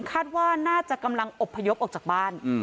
คาดว่าน่าจะกำลังอบพยพออกจากบ้าน